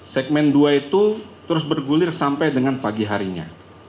segmen dua itu terus bergulir sampai dengan pagi harinya